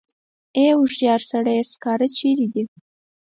ای هوښیار سړیه سکاره چېرې دي.